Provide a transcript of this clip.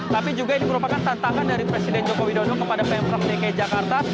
tapi juga ini merupakan tantangan dari presiden joko widodo kepada pemprov dki jakarta